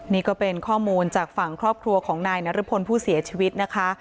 นี่ก็เป็นข้อมูลจากฝั่งครอบครัวของนายนรพลผู้เสียชีวิตนะคะ